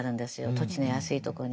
土地の安いところに。